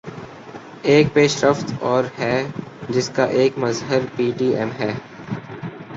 ایک پیش رفت اور ہے جس کا ایک مظہر پی ٹی ایم ہے۔